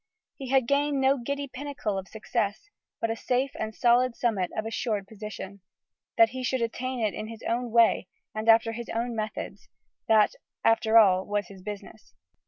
He had gained no giddy pinnacle of sudden success, but a safe and solid summit of assured position. That he should attain it in his own way, and after his own methods, that, after all, was his business.